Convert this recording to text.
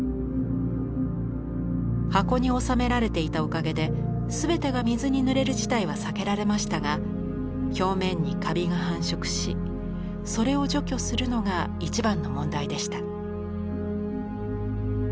箱に収められていたおかげで全てが水にぬれる事態は避けられましたが表面にカビが繁殖しそれを除去するのが一番の問題でした。